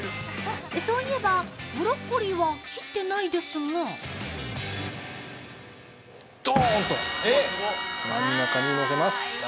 そういえば、ブロッコリーは切ってないですが◆ドーンと真ん中にのせます。